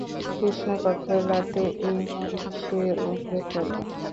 কৃষ্ণপক্ষের রাতে এই মণি সে উগরে ফেলে।